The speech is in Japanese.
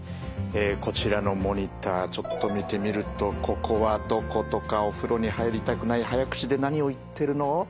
こちらのモニターちょっと見てみると「ここはどこ？」とか「お風呂に入りたくない」「早口で何を言ってるの？」。